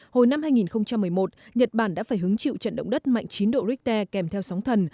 hồi năm hai nghìn một mươi một nhật bản đã phải hứng chịu trận động đất mạnh chín độ richter kèm theo sóng thần